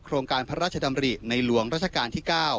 โครงการพระราชดำริในหลวงราชการที่๙